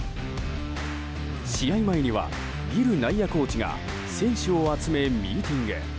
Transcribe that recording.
試合前には、ギル内野コーチが選手を集めミーティング。